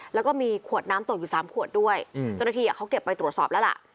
แล้วก็มีขวดน้ำตกอยู่๓ขวดด้วยเจ้าหน้าที่เขาเก็บไปตรวจสอบแล้วล่ะ